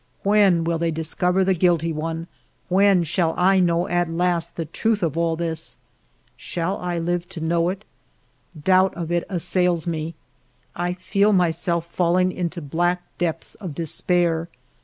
When will thev dis cover the guilty one ; when shall I know at last the truth of all this ? Shall I live to know it ? Doubt of it assails me : I feel myself falling into black depths of despair.